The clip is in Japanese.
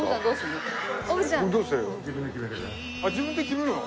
あっ自分で決めるの？